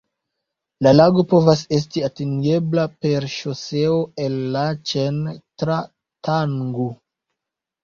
La lago povas esti atingebla per ŝoseo el Laĉen tra Thangu.